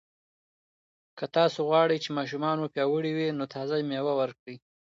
که تاسو غواړئ چې ماشومان مو پیاوړي وي، نو تازه مېوه ورکړئ.